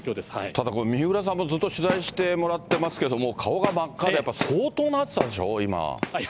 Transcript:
ただ、これ、三浦さんもずっと取材してもらってますけど、顔が真っ赤で、相当な暑さでしょ、今。